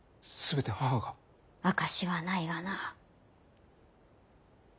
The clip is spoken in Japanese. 証しはないがな。